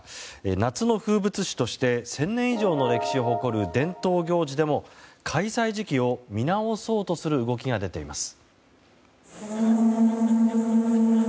夏の風物詩として１０００年以上の歴史を誇る伝統行事でも開催時期を見直そうとする動きが出ています。